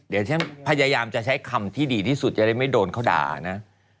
เดี๋ยวฉันพยายามจะใช้คำที่ดีที่สุดจะได้ไม่โดนเขาด่านะ